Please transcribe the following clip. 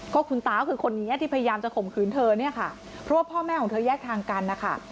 ก็คุณตาก็คือคนนี้ที่พยายามจะข่มขืนเธอเนี่ยค่ะเพราะว่าพ่อแม่ของเธอแยกทางกันนะคะ